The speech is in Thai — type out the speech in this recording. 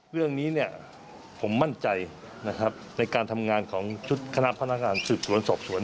เรื่องนี้เนี่ยผมมั่นใจนะครับในการทำงานของชุดคณะพนักงานสืบสวนสอบสวน